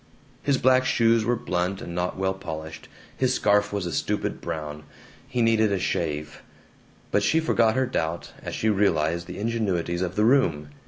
His black shoes were blunt and not well polished. His scarf was a stupid brown. He needed a shave. But she forgot her doubt as she realized the ingenuities of the room.